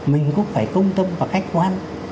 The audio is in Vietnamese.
mình cũng phải công tâm và khách quan